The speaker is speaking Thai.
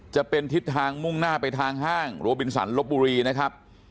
จะเป็นทิศทางมุ่งหน้าไปทางห้างโรบินสันลบบุรีนะครับ